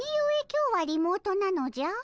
今日はリモートなのじゃ？